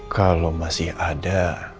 kalau masih ada